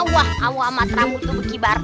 wah awa matramu tuh begibar